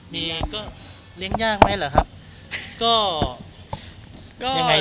เรียกงานไปเรียบร้อยแล้ว